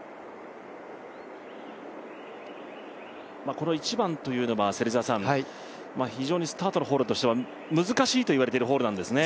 この１番というのは非常にスタートのホールとしては難しいといわれているホールなんですね。